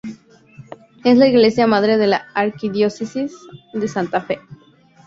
Es la iglesia madre de la Arquidiócesis de Santa Fe.